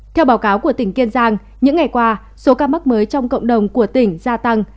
theo báo cáo của tỉnh kiên giang những ngày qua số ca mắc mới trong cộng đồng của tỉnh gia tăng